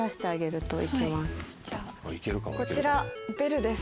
じゃあこちらベルです。